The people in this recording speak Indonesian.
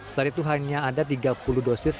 saat itu hanya ada tiga puluh dosis